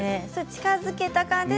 近づけた感じで。